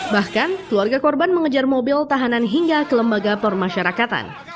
bahkan keluarga korban mengejar mobil tahanan hingga ke lembaga permasyarakatan